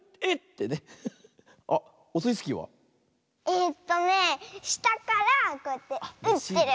えっとねしたからこうやってうってる。